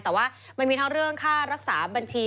แต่ว่ามันมีทั้งเรื่องค่ารักษาบัญชี